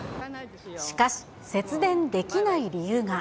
しかし、節電できない理由が。